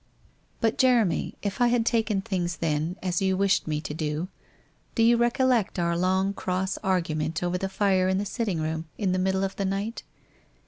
But. Jeremy, if I had taken things then, as you wished me to do — do you recollect our long cross argument over the fire in the sitting room in the middle of the night?